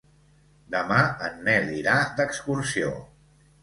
Demà en Nel irà d'excursió.